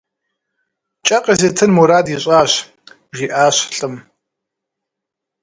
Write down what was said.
Кӏэ къызитын мурад ищӏащ, - жиӏащ лӏым.